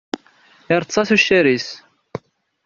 Iretta tuccar-is.